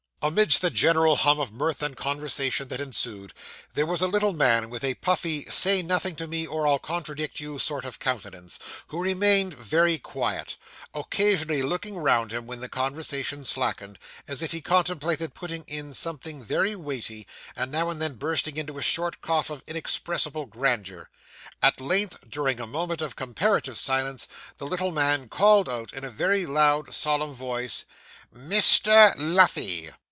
Amidst the general hum of mirth and conversation that ensued, there was a little man with a puffy Say nothing to me, or I'll contradict you sort of countenance, who remained very quiet; occasionally looking round him when the conversation slackened, as if he contemplated putting in something very weighty; and now and then bursting into a short cough of inexpressible grandeur. At length, during a moment of comparative silence, the little man called out in a very loud, solemn voice, 'Mr. Luffey!